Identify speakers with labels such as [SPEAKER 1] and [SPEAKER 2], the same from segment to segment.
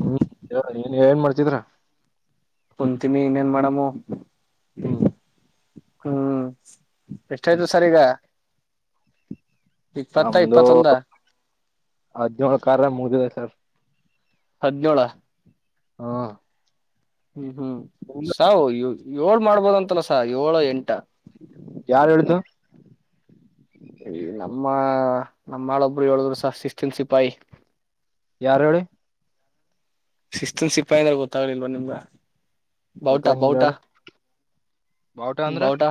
[SPEAKER 1] ಹೂಂ [inaudible] ನೀನ್ ಏನ್ ಮಾಡ್ತಿದ್ರ
[SPEAKER 2] ಂತಮಿ ಇನ್ನ ನ್ ಮಾಡಾಮ
[SPEAKER 1] ಹ್ಮ
[SPEAKER 2] ಹ್ಮ್ ಎಷ್ಟಾಯ್ತು ಸರ್ ಈಗ ಇಪ್ಪತ್ತ
[SPEAKER 1] ನಮ್ದು
[SPEAKER 2] ಇಪ್ಪತ್ತೊಂದ
[SPEAKER 1] ಹದಿನೋಳ್ ಕಾರ ಮುಗಿದೆ ಸರ್
[SPEAKER 2] ಹದಿನೋೇಳ
[SPEAKER 1] ಹಾ
[SPEAKER 2] ಹ್ಮ್ ಹ್ಮ್
[SPEAKER 1] ನಿಮ್ದು?
[SPEAKER 2] ಸಾವ್ ಈವ್. ಏಳ್ ಮಾಡ್ಬೋದಂತಲಸ ಏಳು ಎಂಟ.
[SPEAKER 1] ಯಾರು ಹೇಳಿದು.
[SPEAKER 2] ಈ ನಮ್ಮ ನಮ್ಮಳೊಬ್ರು ಹೇಳುದ್ರುಸ ಶಿಸ್ ತಿಲ್ಸಿಪಾಯಿ
[SPEAKER 1] ಯಾರ ಹೇಳಿ
[SPEAKER 2] ಶಿಸ್ತನ್ ಸಿಪ್ಪಾಯಂದ್ರ ಗೊತ್ತಾಗ್ಲಿಲ್ವ ನಿಮ್ಗ ಬವುಟ
[SPEAKER 1] ಗೊತ್ತಾಗಿಲ್ಲ
[SPEAKER 2] ಬಹಟ
[SPEAKER 1] ಹೇಳಿ ಬಾವುಟ ಅಂದ್ರ
[SPEAKER 2] ಬಹಟ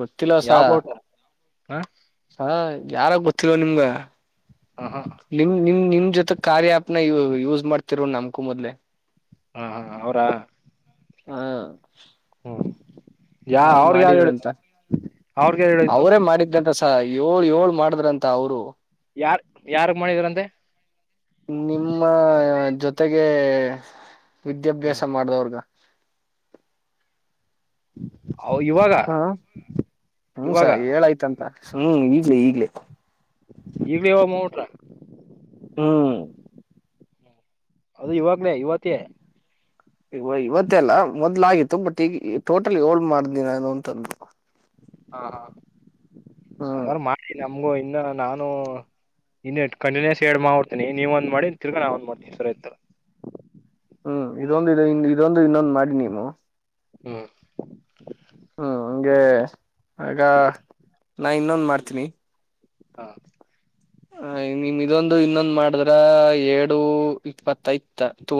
[SPEAKER 2] ಗೊತ್ತಿಲ್ಲಸ
[SPEAKER 1] ಹಾ
[SPEAKER 2] ಹಾ ಯಾರಾಗ ಗೊತ್ತಿಲ್ವ ನಿಮ್ಗ
[SPEAKER 1] ಹ ಹ
[SPEAKER 2] ನಿಮ್ ನಿಮ್ ನಿಮ ಜೊತೆ ಕಾರ್ಯ ಆ್ಯಪ್ನ ಯೂಸ್ ಮಾಡ್ತಿರೋ ನಮಕೂ ಮೊದ್ಲೆ
[SPEAKER 1] ಹಾ ಹಾ ಅವರ
[SPEAKER 2] ಹಾ
[SPEAKER 1] ಯಾ
[SPEAKER 2] ಅವರ್
[SPEAKER 1] ಅವ್ರಗ್ ಯಾರು ಹೇಳಿದ್ದು
[SPEAKER 2] ಮಾಡಿದಂತ
[SPEAKER 1] ಅವ್ರಗ್ ಯಾರು ಹೇಳಿದ್ದು
[SPEAKER 2] ಅವರೇ ಮಾಡಿದಂತ ಸ. ಏಳ್ ಏಳ್ ಮಾಡಿದ್ರಂತ ಅವರು.
[SPEAKER 1] ಯಾರ್ ಯಾರ್ಗ್ ಮಾಡಿದ್ರಂತೆ
[SPEAKER 2] ನಿಮ್ಮ ಜೊತೆಗೆ
[SPEAKER 1] ಹ್ಮ
[SPEAKER 2] ವಿದ್ಯಾಭ್ಯಾಸ ಮಾಡ್ದವ್ರಗ
[SPEAKER 1] ಇವಾಗ
[SPEAKER 2] ಹಾ ಹ್ಮಸ
[SPEAKER 1] ಇವಾಗ
[SPEAKER 2] ಹೇಳಾಯ್ತಂತ ಹ್ಮ್ ಈಗ್ಲೇ ಈಗ್ಲೇ
[SPEAKER 1] ಈಗ್ಲೇ ಇವಾಗ ಮಾಡ್ಬಿಟ್ರ
[SPEAKER 2] ಹ್ಮ್
[SPEAKER 1] ಅದು ಇವಾಗ್ಲೇ ಇವತಿಯೇ
[SPEAKER 2] ಈ ಇವತ್ತೇಲ್ಲ ಮೊದ್ಲ ಆಗತ್ತು ಬಟ್ ಈಗ ಟೋಟಲ್ ಏಳ್ ಮಾಡ್ದ ಅಂತು
[SPEAKER 1] ಹಾ ಹಾ ಅವರು ಮಾಡ್ತನ ನಮ್ಗು ಇನ್ನು ನಾನು ಇನ್ನ ಕಂಟಿನ್ಯೂಸ್ ಎಡ್ ಮಾಡಿಡ್ತೀನಿ ನೀವ ಒಂದ್ ಮಾಡಿ ತಿರ್ಗೊಂಡ ನ ಒಂದ್ ಮಾಡ್ತೀನಿ ಸರಿ ಇತ
[SPEAKER 2] ಹ್ಮ್ ಇದೊಂದು ಇದ ಇ ಇದೊಂದು ಇನ್ನೊಂದು ಮಾಡಿ ನೀವು
[SPEAKER 1] ಹ್ಮ್
[SPEAKER 2] ಹ್ಮ್ ಹಂಗೆ ಆಗ
[SPEAKER 1] ಹ್ಮ್
[SPEAKER 2] ನಾ ಇನ್ನೊಂದ ಮಾಡ್ತೀನಿ
[SPEAKER 1] ಹಾ
[SPEAKER 2] ಹ ನಿಮ್ ಇದೊಂದು ಇನ್ನೊಂದು ಮಾಡಿದ್ರ ಏಡು ಇಪ್ಪತ್ತೈ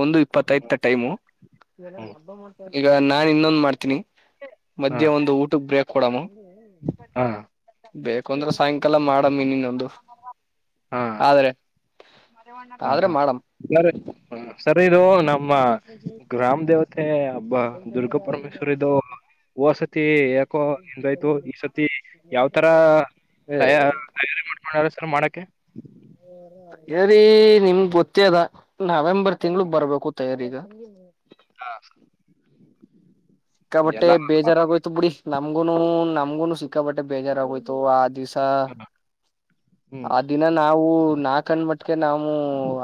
[SPEAKER 2] ಒಂದು ಇಪ್ಪತ್ತೈ
[SPEAKER 1] ಹ್ಮ್
[SPEAKER 2] ಟೈಮು
[SPEAKER 1] ಹ್ಮ್
[SPEAKER 2] ಈಗ ನಾನ್ ಇನ್ನೊಂದ್ ಮಾಡ್ತೀನಿ
[SPEAKER 1] ಹಾ
[SPEAKER 2] ಮಧ್ಯೆ ಒಂದು ಊಟಕ್ಕೆ ಬ್ರೇಕ್ ಕೊಡಮು
[SPEAKER 1] ಹಾ
[SPEAKER 2] ಬೇಕು ಅಂದ್ರೆ ಸಾಯಂ ಅಲ್ಲ ಮಾಡಮ್ಮ ನೀನ್ನೊಂದು
[SPEAKER 1] ಹಾ
[SPEAKER 2] ಆದ್ರೆ
[SPEAKER 1] ಹಾ
[SPEAKER 2] ಆದ್ರೆ ಮಾಡಮ್
[SPEAKER 1] ಹಾ [inaudible] ನಮ್ಮ ಗ್ರಾಮ ದೇವತೆ ಹಬ್ಬ ದುರ್ಗಾ ಪರಮೇಶ್ವರದು ಒದ್ದ್ ಸತಿ ಯಾಕೋ ನಿಂದಾಯ್ತು ಈ ಸತಿ ಯಾವ ತರ
[SPEAKER 2] ಏ
[SPEAKER 1] ತಯ ತಯಾರಿ ಮಾಡ್ಕೊಂಡಾರ ಸರ್ ಮಾಡಕೆ ಹ [inaudible]
[SPEAKER 2] ಸರಿ ನಿಮ್ ಗೊತ್ತೇ ಅದ ನವೆಂಬರ್ ತಿಂಗ್ಳಗ್ ಬರ್ಬೇಕು ತಯಾರಿಗ
[SPEAKER 1] ಹಾ [inaudible]
[SPEAKER 2] ಕ ಬಟ್ಟೆ ಬೇಜಾರಾಗೋಯ್ತು ಬಿಡಿ ನಾ ನಮಗು ನಮಗುನು ಸಿಕ್ಕಾ ಬೇಜಾರ್ ಆಗೋಯ್ತು ಆ ದಿವಾಸ ಹ
[SPEAKER 1] ಹ್ಮ್
[SPEAKER 2] ಆ ದಿನ ನಾವು ನಾಕನ ಮಟ್ಟಿಗೆ ನಾವು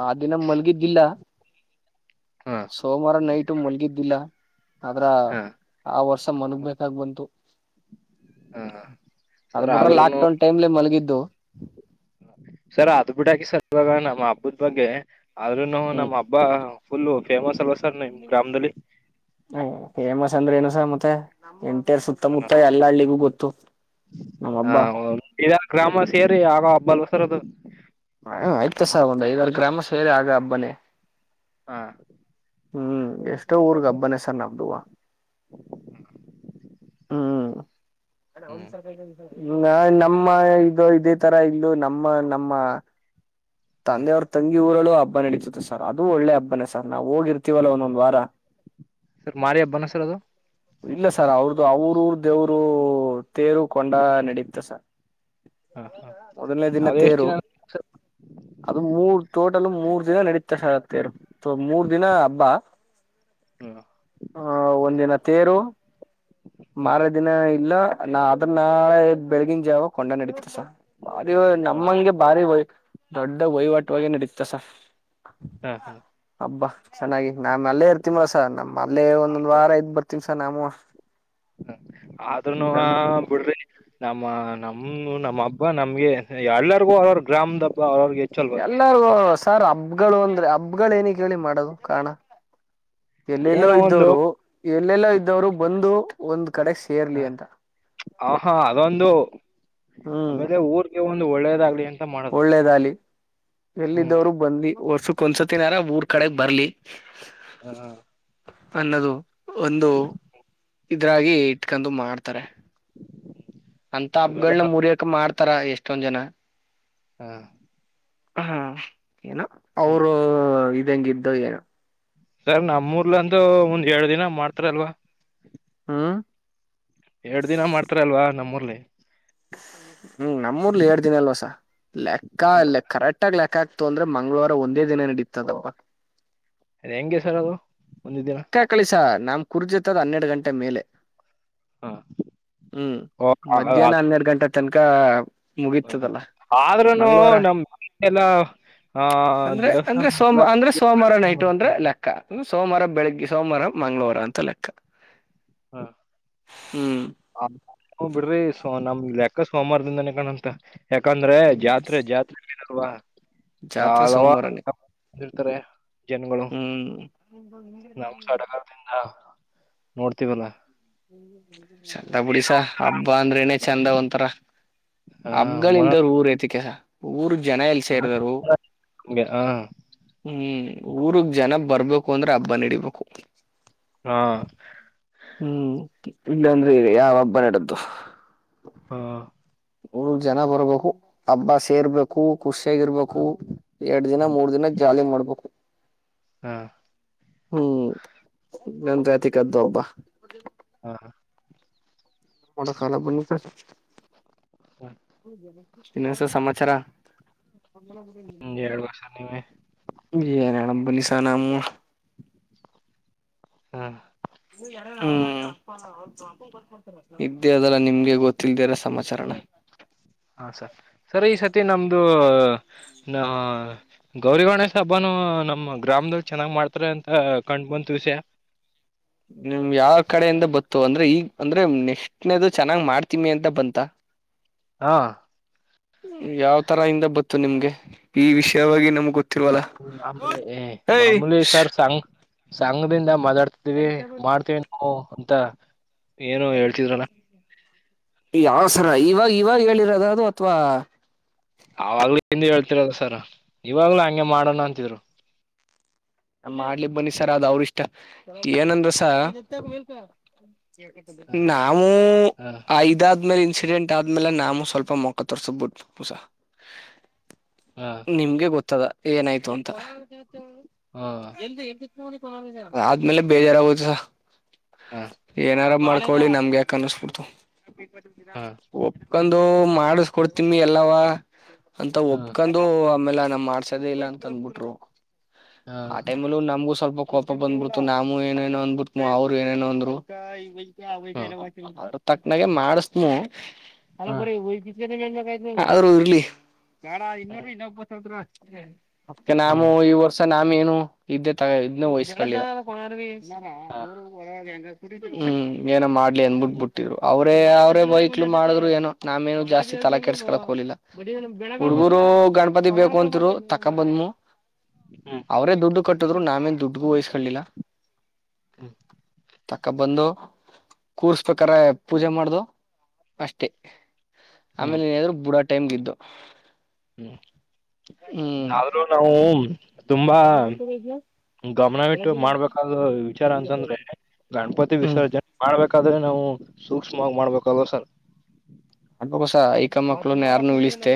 [SPEAKER 2] ಆ ದಿನ ಮಲ್ಗಿದ್ದಿಲ್ಲ
[SPEAKER 1] ಹಾ
[SPEAKER 2] ಸೋಮವಾರ ನೈಟ್ ಮಲ್ಗಿದ್ದಿಲ್ಲ ಅದ್ರ
[SPEAKER 1] ಹಾ
[SPEAKER 2] ಆ ವರ್ಷ ಮನ್ಗ್ಬೇಕಾಗ ಬಂತು
[SPEAKER 1] ಹಾ ಸರ್
[SPEAKER 2] ಅದಬಿಟ್ರ
[SPEAKER 1] ಆದ್ರೂನು
[SPEAKER 2] ಲಾಕ್ಡೌನ್ ಟೈಮ್ಲೆ [inaudible]
[SPEAKER 1] ಸರ್ ಅದ ಬಿಿಟ್ಟಾಕಿ ಸರ್ ಇವಾಗ ನಮ್ಮ ಹಬ್ಬದ್ ಬಗ್ಗೆ ಆದ್ರೂನು ನಮ್ಮ ಹಬ್ಬಾ ಫುಲ್ ಫೇಮಸ್ ಅಲ್
[SPEAKER 2] ಯ್ ಫೇಮಸ್ ಅಂದ್ರೆ ಏನುಸ ಮತ್ತ [unintelligible] ಮತ್ತ ಎ ನಮ್ ಹಬ್ಬ
[SPEAKER 1] ಹ ಹ ಗ್ರಾಮ ಸೇರಿ ಆಗ ಹಬ್ಬಲ್ಲ ರದ [inaudible]
[SPEAKER 2] ಹ ಆಯ್ತ ಸರ್ ಒಂದು ಐದು ಆರು ಗ್ರಾಮಸ್ವೇರೆ ಆಗ ಹಬ್ಬನೇ
[SPEAKER 1] ಹಾ
[SPEAKER 2] ಹ್ಮ್ ಎಷ್ಟೋ ಊರ್ಗ್ ಹಬ್ಬನ ಸರ್ ನಮ್ದುವ
[SPEAKER 1] ಹು
[SPEAKER 2] ಹ್ಮ್ ಅಣ ಒಂದ್ಸಂದ ನ ನ ನಮ್ಮ ಇದು ಇದ ಈ ತರ ಇಲ್ಲೂ ನಮ್ಮ ನಮ್ಮ
[SPEAKER 1] ಹ್ಮ
[SPEAKER 2] ತಂದೆಯವ್ರ ತಂಗಿ ಊರಲ್ಲೂ ಅಪ್ ಹಬ್ಬ ನಡೀತುತ್ತ ಸರ್ ಅದು ಒಳ್ಳೆ ಹಬ್ಬನೇ ಸರ್ ನಾವ್ ಹೋಗಿರ್ತೀವಲ್ಲ ಒಂದೊಂದ್ ವಾರ
[SPEAKER 1] ಸರ್ ಮಾರಿ ಹಬ್ಬನ ಸರ್ ಅದು
[SPEAKER 2] ಇಲ್ಲ ಸರ್ ಅವ್ರ ಅವ್ರಊರು ದೇವರು ತೇರು ಕೊಂಡ ನಡೆಯುತ್ತೆ ಸರ್
[SPEAKER 1] ಹ ಹ
[SPEAKER 2] ಮೊದಲನೇ ದಿನ ತೇರು ಅದು ಮೂರ್ ಟೋಟಲ್ ಮೂರ್ ದಿನ ನಡೀತಾ ಸಾರ್ ತೇರು ಮೂರ್ ದಿನ ಹಬ್ಬಾ
[SPEAKER 1] ಹ್ಮ್
[SPEAKER 2] ಹ ಒಂದಿನ ತೇರು
[SPEAKER 1] ಹ್ಮ್
[SPEAKER 2] ಮಾರ ದಿನ ಇಲ್ಲ ನಾ ಅದನ್ನ ನಾಳೆ ಬೆಳಿಗಿನ ಜಾವ ಕೊಂಡ ನಡೀತು ಸಾರ್ ಭಾರಿ
[SPEAKER 1] ಹ
[SPEAKER 2] ನಮ್ಮಂಗೆ ಭಾರಿ ವೈ ದೊಡ್ಡ ವಹಿವಾಟುವಾಗ ನಡೆಯುತ್ತಾ ಸರ್
[SPEAKER 1] ಹಾ ಹಾ
[SPEAKER 2] ಹಬ್ಬಾ ಚೆನ್ನಾಗಿ ನಾನ್ ಅಲ್ಲೇ ಇರ್ತಿಮ ಸರ್ ನಮ್ಮ ಅಲ್ಲೇ ಒಂದೊಂದ್ ವಾರ ಇದ್ ಬರ್ತೀನಿ ಸ್ ಸ್ ನಾವು
[SPEAKER 1] ಹ ಆದ್ರೂನು
[SPEAKER 2] ಈಗ
[SPEAKER 1] ಆ ಬಿಡ್ರಿ ನಮ್ಮ ನಮ್ಮ ನಮ್ಮ ಹಬ್ಬ ನಮ್ಗೆ ಇಲ್ರುಗು ಅವ್ರವ ಗ್ರಾಮದ ಹಬ್ಬ ಅವ್ರವ
[SPEAKER 2] ಎಲ್ಲರ್ಗೂ ಸರ್ ಹಬ್ಗಳು ಅಂದ್ರೆ ಹಬ್ಬಗಳು ಏನ ಕೇಳಿ ಮಾಡೋದು ಕಾರಾಣ ಎಲ್ಲೆಲ್ಲೋ
[SPEAKER 1] ಏನೋ ಒಂದು
[SPEAKER 2] ಇದ್ದವರು ಎಲ್ಲೆಲ್ಲೋ ಇದ್ದವರು ಬಂದು ಒಂದ್ ಕಡೆ ಸೇರ್ಲಿ ಅಂತ
[SPEAKER 1] ಆ ಹಾ ಅದೊಂದು
[SPEAKER 2] ಹ್ಮ್
[SPEAKER 1] ಆಮೇಲೆ ಊರ್ಗೆ ಒಳ್ಳೇದಾಗ್ಲಿ ಮಾಡೋದು
[SPEAKER 2] ಒಳ್ಳೇದಾಲಿ
[SPEAKER 1] ಹ್ಮ್
[SPEAKER 2] ಎಲ್ಲಿದ್ದವರು ಬಂದಿ ವರ್ಷಕ್ಕ ಒಂದ್ಸತ್ತಿನಾರ ಊರ್ ಕಡೆ ಬರ್ಲಿ
[SPEAKER 1] ಹ್ಮ್ ಹ
[SPEAKER 2] ಅನ್ನದು ಒಂದು ಇದ್ರಾಗಿ ಇರ್ಕಂಡು ಮಾಡ್ತಾರೆ ಅಂತ
[SPEAKER 1] ಆಮೇಲೆ
[SPEAKER 2] ಹಬ್ಬಗಳನ ಮುರಿಯಕ ಮಾಡ್ತಾ ರ ಎಷ್ಟ ಎಸ್ಟೊಂದು ಜನ
[SPEAKER 1] ಹಾ
[SPEAKER 2] ಹಾ-ಹ ಏನೂ ಅವರು-ರು ಎಂಗ್ ಇದೋ ಏನೋ
[SPEAKER 1] ಸರ್ ನಮ್ಮ ಊರರ್ಲಂದು ಒಂದ್ ಎರಡ್ ದಿನ ಮಾಡ್ತಾರ ಅಲ್ವ
[SPEAKER 2] ಹು
[SPEAKER 1] ಪ್ಲೇ
[SPEAKER 2] ಹ್ಮ್ ನಮ್ಮ ಊರಲ್ಲಿ ಎರಡ ದಿನ ಅಲ್ವಾ ಸರ್ ಲೆಕ್ಕ ಕರೆಕ್ಟ ಆಗಿ ಲೆಕ್ಕಾಹಾಕ್ ಇತ್ತು ಅಂದ್ರೆ ಮಂಗಳವಾರ ಒಂದೇ ದಿನ ನಡೀತದ ಹವಾ.
[SPEAKER 1] ಹೆಂಗೆ ಸರ್ ಅದು. ಒಂದ ದಿನ
[SPEAKER 2] ಕೇಳ್ಕೊಳ್ಳಿ ಸರ್. ನಮ್ ಕುರ್ಜಿತ್ತದ ಹನ್ನೆರಡು ಗಂಟೆ ಮೇಲೆ ಹ್ಮ್
[SPEAKER 1] ಹ
[SPEAKER 2] ಮಧ್ಯಾಹ್ನ ಹನ್ನೆರಡು ಗಂಟೆ ತನಕ ಕಾ
[SPEAKER 1] ಹ ಆದ್ರೂನು ನಮ್ ಎಲ್ಲ ಆ
[SPEAKER 2] ಅಂದ್ರೆ ಅಂದ್ರೆ
[SPEAKER 1] ದೇವಸ್ಥಾನ
[SPEAKER 2] ಸೋಮ ಸೋಮ ಅಾರಬ್ ಬೆಳಿಗ್ಗೆ ಸೋಮವಾರ ಮಂಗಳವಾರ ಅಂತ ಲೆಕ್ಕ
[SPEAKER 1] [inaudible]
[SPEAKER 2] ಹ್ಮ್
[SPEAKER 1] ಹು ಬಿಡ್ರಿ ಸೊ ನಮ್ ಲೆಕ್ಕ ಸೋಮವಾರದಿಂದನೇ ಕಾಣುತ್ತೆ. ಯಾಕ ಅಂದ್ರೆ
[SPEAKER 2] ಹ್ಮ್
[SPEAKER 1] ಜಾತ್ರೆ ಜಾತ್ರೆ ವಾಹ್
[SPEAKER 2] ಜಾತ್ರೆ
[SPEAKER 1] ಹಲವ
[SPEAKER 2] ಸೋಮವಾರನೇ
[SPEAKER 1] ಇರ್ತಾರೆ ಜನಗಳು
[SPEAKER 2] ಹ್ಮ್
[SPEAKER 1] ನಮ್ಮ ಸಡಗಾರದಿಂದ ನೋಡ್ತೀವಲ್ಲ
[SPEAKER 2] [inaudible] ಚಂದ ಬಿಡಿ ಸರ್ ಹಬ್ಬ ಅಂದ್ರೆನೆ ಚಂದ ಒಂತರ
[SPEAKER 1] ಹ ಮ
[SPEAKER 2] ಹಬ್ಬಗಳಿಲ್ಲ ಊರ ಏತಕ್ಕೆ ಊರ ಜನ ಎಲ್ಲಿ ಸೇರಿದರು
[SPEAKER 1] ಹಂಗೆ ಹ
[SPEAKER 2] ಹ್ಮ್ ಊರಗೆ ಜನ ಬರಬೇಕ್ ಅಂದ್ರೆ ಹಬ್ಬ ನಡಿಬೇಕು
[SPEAKER 1] ಹಾ
[SPEAKER 2] ಹ್ಮ್ ಇಲ್ಲಾಂದ್ರೆ ಯಾವ ಹಬ್ಬ ನಡದ್ದು
[SPEAKER 1] ಹಾ
[SPEAKER 2] ಊರಗೆ ಜನ ಬರಬೇಕು ಹಬ್ಬ ಸೇರಬೇಕು ಖುಷಿಯಾಗಿ ಇರಬೇಕು ಎರಡ ದಿನ ಮೂರ ದಿನ ಜಾಲಿ ಮಾಡಬೇಕು.
[SPEAKER 1] ಹ್ಮ
[SPEAKER 2] ಹ್ಮ್ ನಂದ ಅತಿಕ್ದ್ದ ಒಬ್ಬ [unintelligible]
[SPEAKER 1] ಹಾ ಹಃ
[SPEAKER 2] ಮಟ ಕಾಲಾ ಬನ್ನಿ ಸರ್. [unintelligible]
[SPEAKER 1] ಹ್ಮ
[SPEAKER 2] ದಿನಸ ಸಮಾಚಾರ.
[SPEAKER 1] ಹ್ಮ ಎರಡು ವರ್ಷ ನೀವ
[SPEAKER 2] ಏನ್ ಹೇಳಣ ಬನ್ನಿ ಸರ್ ನಾವು
[SPEAKER 1] ಹ್ಮ
[SPEAKER 2] ಹ್ಮ್ ಇದ್ದೆ ಅದಲ್ಲ ನಿಮ್ಗೆ ಗೊತ್ತಲ್ದಿರ ಸಮಾಚಾರಣ
[SPEAKER 1] ಮತ್ತೆ ನಮ್ದು ನ ಗೌರಿಗಣೇಶ್ ಹಬ್ಬಾನ ನಮ್ಮ ಗ್ರಾಮದಲ್ ಚೆನ್ನಾಗ್ ಮಾಡ್ತಾರೆ ಅಂತ ಕಂಡು ಬಂದು ವಿಷಯ
[SPEAKER 2] ನಿಮ್ ಯಾವ ಕಡೆಯಿಂದ ಬತ್ತು ಅಂದ್ರೆ ಈಗ ಅಂದ್ರೆ ನೆಕ್ಟ್ನದು ಚೆನ್ನಾಗ್ ಮಾಡ್ತೀಮಿ ಅಂತ ಬಂತ
[SPEAKER 1] ಹಾ
[SPEAKER 2] ಯಾವ್ ತರ ಇಿಂದ ಬತ್ತು ನಿಮ್ಗೆ ಈ ವಿಷಯವಾಗಿ ನಮ್ ಗೊತ್ತ
[SPEAKER 1] ಹ್ಮ ಮಾಮೂಲೆ ಮಾಮೂಲೆ ಸರ್ ಸಂಗ ಸಂಘದಿಂದ ಮೊದಾ ಮಾಡತವಿ ಮಾಡ್ತೀವಿ ನಾವು ಅಂತ ಏನು ಹೇಳ್ತಿದ್ರನಾ
[SPEAKER 2] ಯಾವಸರ ಇವಾಗ ಇವಾಗ ಹೇಳಿರೋದು ಅದು ಅಥವಾ
[SPEAKER 1] ಅವಾಗ್ಲೂ ಹಿಂದ ಹೇಳ್ತಿರದ ಸರ್ ಇವಾಗ್ಲೂ ಹಂಗೆ ಮಾಡೋಣ ಅಂತಿದ್ರು
[SPEAKER 2] ಮಾಡ್ಲಿ ಬನ್ನಿ ಸರ್ ಅವರಿಷ್ಟ ಏನಂದರೆ ಸಾರ್
[SPEAKER 1] ಹ
[SPEAKER 2] ನಾವು ಐದಾದ್ಮೇಲೆ ಎಕ್ಸಿಡೆಂಟ್ ಆದ್ಮೇಲೆ ನಾು ಸ್ವಲ್ಪ ಮೊಖ ತೋರ್ಸಬಿಟ್ಟುುಸ
[SPEAKER 1] ಹ
[SPEAKER 2] ನಿಮ್ಗೆ ಗೊತ್ತದ ಏನಾಯ್ತು ಅಂತ
[SPEAKER 1] ಹ
[SPEAKER 2] ಎಂತ ಎ ಆದ್ಮೇಲೆ ಬೇಜಾರಾಗೋಯ್ತು
[SPEAKER 1] ಹ
[SPEAKER 2] ಏನಾರಾ ಮಾಡು ಕೋಳಿ ನಮ್ಗೆ ಯಕ ಅನಿಸ್ಬಿಡ್ತು
[SPEAKER 1] ಹ ಹ
[SPEAKER 2] ಒ ಒ ಮಾಡಿಸಕೊಡ್ತಿಿ ಎಲ್ಲವಾ ಅಂತ
[SPEAKER 1] ಹ
[SPEAKER 2] ಒಪ್ಕೊಂಡು ಆಮೇಲೆ ನಮ್ ಮಾಡ್ಸದೇ ಇಲ್ಲ ಅಂತ ಅಂದಬಿಟ್ರು
[SPEAKER 1] ಹ
[SPEAKER 2] ಆ ಟೈಮ್ಲ್ಲೂ ನಮಗ ಸ್ವಲ್ಪ ಕೋಪ ಬಂದ್ಬಿಡ್ತು ನಾೂ ಏನೇನೋ ಅಂದ್ಬಿತ ಅವ್ರು ಏನೇನೋ ಅಂದ್ರು
[SPEAKER 1] ಹ ಹ
[SPEAKER 2] ಆಲ್ಲ ಮಾಡ ತಕ್ನಾಗೆ ಮಡ್ಸ್ತೀನಿ ಹಲ್ಬರಿ. ಆದ್ರೂ ಇರ್ಲಿ. ಬೇಡ ಇನ್ನೂರು ಇನ್ನೊ ಒಪ್ಪತ್ಾವ. ಹ. ಅದ್ಕ ನಾವು
[SPEAKER 1] ಹ
[SPEAKER 2] ಈ ವರ್ಷ ನಾ. ಮೇನು ಇ್ದ ಇದನ್ನ ವಯಸ್ಸಕಲ್ಲಿ ಪರವಿ ಇದರ ದೂರು ಹೊರ ಹೆಂಗ ಹ್ಮ್ ಏನ ಮಾಡಿ ಅಂದಬಿಟ್ಬ
[SPEAKER 1] ಹ್ಮ್
[SPEAKER 2] ಬಿಟ್ಟಿದ್ರು ಅವರೇ ಅವರೇ ಬೈಹಕ್ಲು ಮಾಡ ಏನೋ ನಾವೇನನು ಜಾಸ್ತಿ ತಲಾ ಕೆಡಸ್ಕಕ್ ಹೋಗಲಿಲ್ಲ
[SPEAKER 1] ಹ್ಮ್
[SPEAKER 2] ಹುಡ್ಗೂರು ಗಣಪ ದಪತಿ ಬೇಕು ಅಂತರು ತಕ್ಕ ಬನ್ಮೂ
[SPEAKER 1] ಹ್ಮ
[SPEAKER 2] ಅವ್ರೇ ದುಡ್ಡು ಕಟ್ಟಿದ್ರು ನಾವೇನ್ ದುಡ್ಡುಗೂ ವಹಸ್ಕೊಳ್ಳಲಿಲ್ಲ
[SPEAKER 1] ಹ್ಮ್
[SPEAKER 2] ತಕ್ಕ ಬಂದು ಕೂರ್ಸ್ಬೇಕ್ರ ಪೂಜೆ ಮಾಡ್ದು ಅಷ್ಟೆ.
[SPEAKER 1] ಹ್ಮ್
[SPEAKER 2] ಆಮೇಲೆ ಏನಾದ್ರು ಬುಡಾ ಟೀಕೆಗೆ ಇದ್ದೋ
[SPEAKER 1] ಹ್ಮ್ ಆದ್ರೂ ನಾವು ತುಂಬಾ ಗಮನವಿಟ್ಟು ಮಾಡ್ಬೇಕಾದ ವಿಚಾರ ಅಂತಂದ್ರೆ ಗಣಪತಿ
[SPEAKER 2] ಹ್ಮ್
[SPEAKER 1] ವಿಸರ್ಜನೆ ಮಾಡ್ಬೇಕಾದ್ರೆ ನಾವು ಸೂಕ್ಷ್ಮವಾಗಿ ಮಾಡ್ಬೇಕಲ್ವಾ ಸರ್
[SPEAKER 2] ಅಬ್ಬಕ್ಕೋಸ ಐಕ್ಕ ಮಕ್ಳುನ್ನ ಯಾರನ್ನುೂ ಉಳಿಸತೆ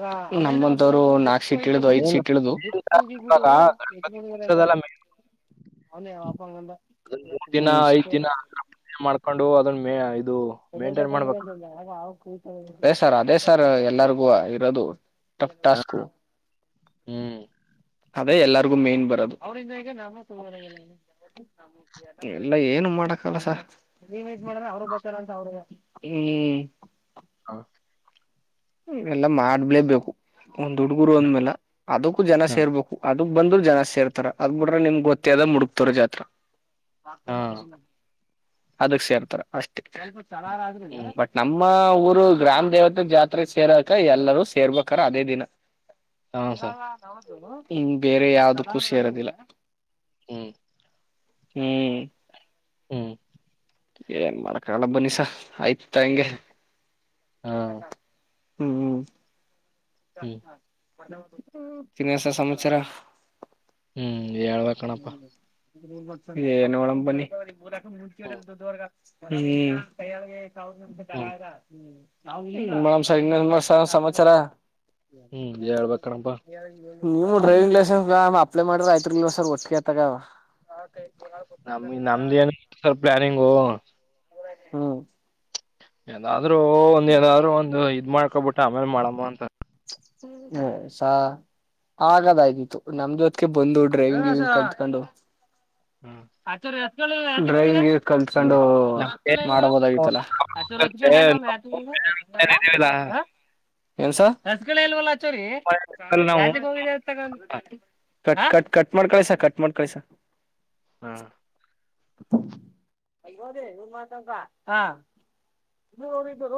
[SPEAKER 2] ಹ ನಮ್ಮಂತವ್ರು ನಾ
[SPEAKER 1] ಇವಾಗ ಗಣೇಶದೆಲ್ಲ ಮೂರ್ ದಿನ ಐದ್
[SPEAKER 2] [unintelligible]
[SPEAKER 1] ದಿನ ಹಾಗೆ ಮಾಡ್ಕೊಂಡು ಅದನ್ನ ಮೇ ಯದು
[SPEAKER 2] ಆಗ [inaudible] ಅದೇ ಸರ್ ಅದೇ ಸರ್ ಎಲ್ಲರಿಗೂ ಇರೋದು ಟಫ್
[SPEAKER 1] ಆ,
[SPEAKER 2] ಟಾಸ್ಕೋ
[SPEAKER 1] ಹ್ಮ್
[SPEAKER 2] ಅದೇ ಎಲ್ಲರಿಗು ಮೇನ್ ಬರದು ಎಲ್ಲ ಏನು ಮಾಡಕಲ್ಲ ಹ್ಮ್
[SPEAKER 1] ಹೌ
[SPEAKER 2] ಎಲ್ಲಾ ಮಾಡ್ಲೇಬೇಕು ಒಂದ್ ಹುಡುಗರು ಅಂದ್ಮೇಲೆ ಅದಕ್ಕೂ ಜನ ಸೇರ್ಬೇಕು ಅ ಅದು ಬಂದ ಜನ ಸೇರ್ತಾರ ಅದ ಬಿಟ್ರೆ ನಿಮ್ಗ್ ಗೊತ್ತೇ ಅದ ಮುಡುಕ್ತಾರ ಜಾತ್ರ
[SPEAKER 1] ಹಾ
[SPEAKER 2] ಹಾತಕಿಸ ಅದಕ್ ಸೇರ್ತಾರ ಅಷ್ಟೇ. ಸರ ಆದ್ರೂಲ್ಲ
[SPEAKER 1] ಹ್ಮ್
[SPEAKER 2] ಬಟ್ ನಮ್ ಮ್ಮ ಊರು ಗ್ರಾಮ ದೇವತೆ ಜಾತಿ ಅಂದ್ರೆ ಸೇರಕ ಎಲ್ಲರೂ ಸೇರ್ಬೇಕ್ರ ಅದೇ ದಿನ
[SPEAKER 1] ಹಾ ಸರ್
[SPEAKER 2] ಅಲ್ಲಾ ನಮ್ ಹ್ ಬೇರೆ ಯಾವ್ದುಕ್ಕೂ ಸೇರೋದಿಲ್ಲ
[SPEAKER 1] ಹ್ಮ್
[SPEAKER 2] ಹ್ಹ್ಹ್
[SPEAKER 1] ಹ್ಮ್
[SPEAKER 2] ಏನ್ ಮಾಡಕ್ ಆಗಲ್ಲ ಬನ್ನಿ ಸಾರ್ ಆಯ್ತು ತೆಂಗೆ
[SPEAKER 1] ಹ್ಮ್ ಹಾ
[SPEAKER 2] ಹ್ಮ್ ಹ್ಮ್
[SPEAKER 1] ಹ್ಮ್
[SPEAKER 2] [unintelligible] ಮತ್ ಇನೇನ್ ಸಮಾಚಾರ
[SPEAKER 1] ಹ್ಮ್ ಏಳ್ ಬೆಕ್ ಕಣಪ್ಪಾ
[SPEAKER 2] ಏ ನೋಡಮ್ ಬನ್ನಿ
[SPEAKER 1] ಹ್ಮ್
[SPEAKER 2] ಮುಂಚೆಂಡ್ ಇದೊರ್ಗೆ ಹ್ಮ್
[SPEAKER 1] ಹ್ಮ್
[SPEAKER 2] [unintelligible] ಏನ್ ಮಾಡೋಣ ಇನೇನ್ ಸಾರ್ ಸಮಾಚಾರ
[SPEAKER 1] ಹ್ಮ್ ಹೇಳ್ಬೇಕಣಪ್ಪ
[SPEAKER 2] ನೀವು ಡ್ರೈವಿಂಗ್ ಲೈಸನ್ಸ್ ಅಪ್ಲ ಮಾಡ್ರಿ ಆಯ್ತೀರ್ಲಿಲ್ವಾ ಸರ್ ಹೆಚ್ಚಿಗೆ ತಗೋ
[SPEAKER 1] ನಮ ನಮ್ದ ಏನ್ ಸಾರ್ ಪ್ಲಾನಿಂಗು
[SPEAKER 2] ಹ್ಮ
[SPEAKER 1] ಏನ ಆದ್ರೂ ಒಂದ್ ಏನಾದ್ರು ಒಂದು ಇದು ಮಾಡ್ಕೊಬಿಟ್ಟು ಆಮೇಲೆ ಮಾಡಮ್ಮ ಅಂತ
[SPEAKER 2] ಹೇ ಸ ಆಗದಾಯ್ತಿತ್ತು ನಮ್ ಜೊತ್ಗೆ ಬಂದು ಡ್ರೈವಿಂಗ್ ಕಲ್ಕೊಂಡು
[SPEAKER 1] ಹ್ಮ್
[SPEAKER 2] ಆಚಾರ ಡ್ರೈವಿಂಗ್ ಕಲ್ಕೊಂಡು ಮಾಡಬೋದಾಗಿತ್ತಲ್ಲ [inaudible]
[SPEAKER 1] ನಮ್ಗೆ
[SPEAKER 2] ಏನ್ ಸಾರ್
[SPEAKER 1] ನಾವು
[SPEAKER 2] [unintelligible] ಕಟ್ ಕಟ್ ಕಟ್ ಮಾಡ್ ಕಳಸ ಕಟ್ ಮಾಡ್ ಕಳಿ ಸಾರ್ [unintelligible]